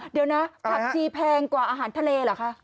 เดี๋ยวนะผักชีแพงกว่าอาหารทะเลเหรอคะ